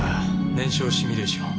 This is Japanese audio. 燃焼シミュレーション。